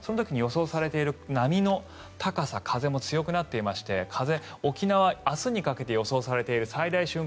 その時に予想されている波の高さ風も強くなっていて沖縄は明日にかけて予想されている最大瞬間